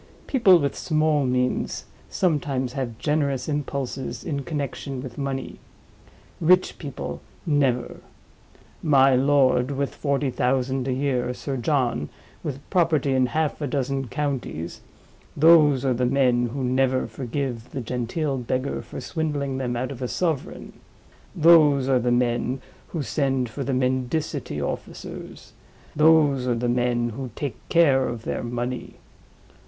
People with small means sometimes have generous impulses in connection with money—rich people, never. My lord, with forty thousand a year; Sir John, with property in half a dozen counties—those are the men who never forgive the genteel beggar for swindling them out of a sovereign; those are the men who send for the mendicity officers; those are the men who take care of their money.